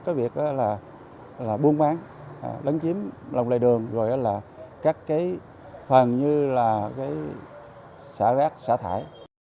có việc là buôn bán đánh chiếm lòng lệ đường rồi là các phần như là xả rác xả thải